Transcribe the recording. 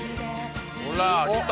ほら来た！